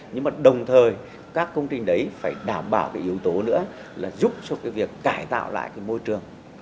nhưng mà đồng thời các công trình đấy phải đảm bảo yếu tố nữa là giúp cho việc cải tạo lại môi trường